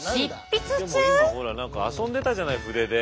でも今ほら何か遊んでたじゃない筆で。